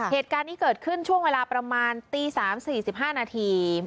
เหตุการณ์นี้เกิดขึ้นช่วงเวลาประมาณตี๓๔๕นาที